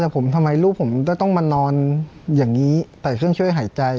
ผมทำไมลูกผมต้องมานอนอย่างนี้ใส่เครื่องช่วยหายใจ